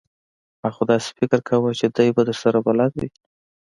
ما خو داسې فکر کاوه چې دی به درسره بلد وي!